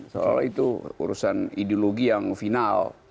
soalnya itu urusan ideologi yang final